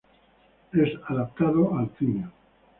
Es adaptado al cine.